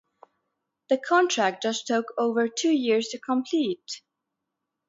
The contract took just over two years to complete.